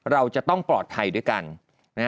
เราจะต้องปลอดภัยด้วยกัน